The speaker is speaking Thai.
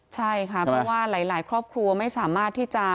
ใช่ค่ะเพราะว่าหลายครอบครัวไม่สามารถที่จะ